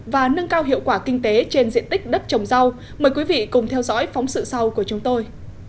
và nâng cao hiệu quả kinh tế trên diện tích đất trồng rau mời quý vị cùng theo dõi phóng sự sau của chúng tôi